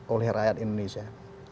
oleh rakyat indonesia